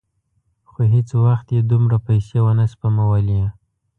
خو هېڅ وخت یې دومره پیسې ونه سپمولې.